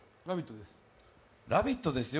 「ラヴィット！」ですよ。